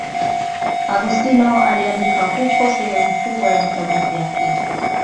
Agostino aliandika huko sehemu kubwa ya vitabu vyake.